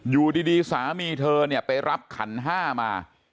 อยู่ดีสามีเธอเนี่ยไปรับขันห้ามา